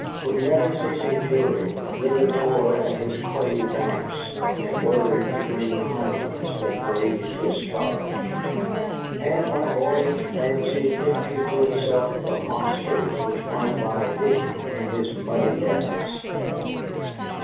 With never ceasing fury the river tore at his clay banks and worried the green islands that braved his charge. And my boyish fancy pictured to itself the monsters which might lie hidden in his muddy depths.